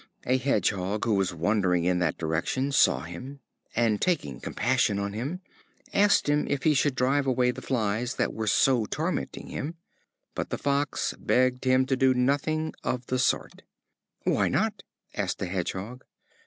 A Hedgehog, who was wandering in that direction, saw him, and taking compassion on him, asked him if he should drive away the flies that were so tormenting him. But the Fox begged him to do nothing of the sort. "Why not?" asked the Hedgehog.